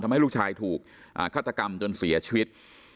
ทำให้ลูกชายถูกฆาตกรรมจนเสียชีวิต